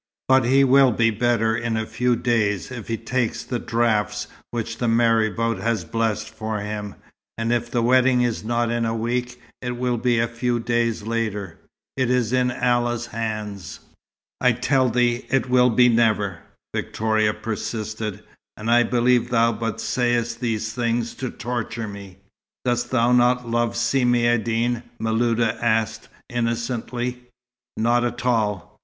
But he will be better in a few days if he takes the draughts which the marabout has blessed for him; and if the wedding is not in a week, it will be a few days later. It is in Allah's hands." "I tell thee, it will be never," Victoria persisted. "And I believe thou but sayest these things to torture me." "Dost thou not love Si Maïeddine?" Miluda asked innocently. "Not at all."